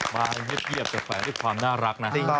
มาเย็บเย็บแต่แฝนที่ความน่ารักนะฮะ